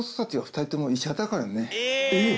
「えっ！？